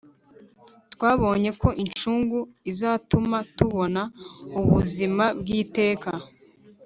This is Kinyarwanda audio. twabonye ko incungu izatuma tubona ubuzima bw iteka